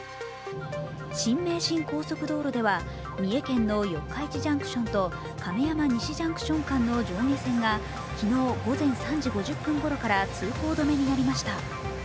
新名神高速道路では三重県の四日市ジャンクションと亀山西ジャンクション間の上下線が昨日午前３時５０分ごろから通行止めになりました。